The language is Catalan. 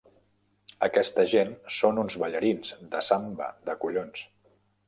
Aquesta gent són uns ballarins de samba de collons!